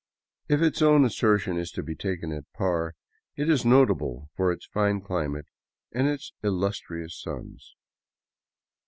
If its own assertion is to be taken at par, it is " notable for its fine climate and its illustrious sons."